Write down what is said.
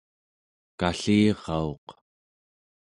kallirauq